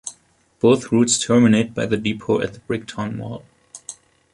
Both routes terminate by the depot at the Bricktown Mall.